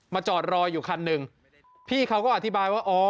จอดรออยู่คันหนึ่งพี่เขาก็อธิบายว่าอ๋อ